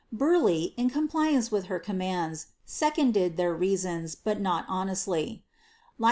Burleigh, in compliance with her commands, seconded ihni reasons, but not honestly.